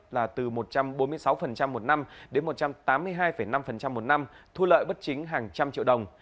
là từ một trăm bốn mươi sáu một năm đến một trăm tám mươi hai năm một năm thu lợi bất chính hàng trăm triệu đồng